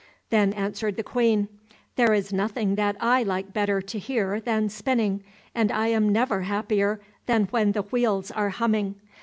Then answered the Queen, "There is nothing that I like better to hear than spinning, and I am never happier than when the wheels are humming.